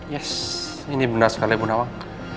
yes ini benar sekali bunawang